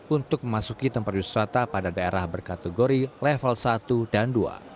untuk memasuki tempat wisata pada daerah berkategori level satu dan dua